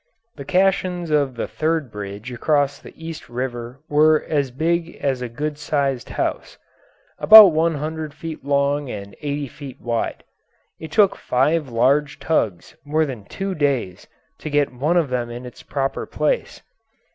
The caissons of the third bridge across the East River were as big as a good sized house about one hundred feet long and eighty feet wide. It took five large tugs more than two days to get one of them in its proper place.